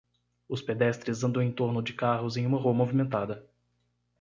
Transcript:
Os pedestres andam em torno de carros em uma rua movimentada.